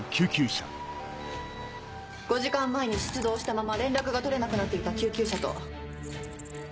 ５時間前に出動したまま連絡が取れなくなっていた救急車と。